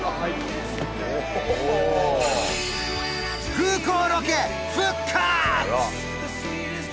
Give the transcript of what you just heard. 空港ロケ復活！